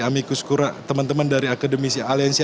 amicus kura teman teman dari akademisi aliansia